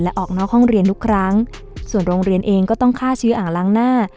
และออกนอกห้องเรียนทุกครั้งส่วนโรงเรียนเองก็ต้องฆ่าเชื้ออ่างล้างหน้า